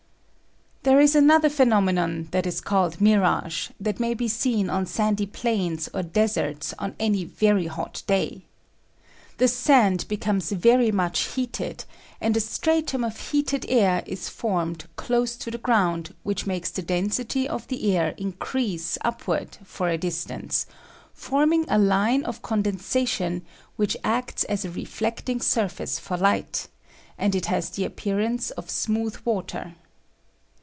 There is another phenomenon that is called mirage, that may be seen on sandy plains or deserts on any very hot day. The sand be comes very much heated and a stratum of heated air is formed close to the ground which makes the density of the air increase upward, for a distance, forming a line of condensation which acts as a reflecting surface for light, and it has the appearance of smooth water.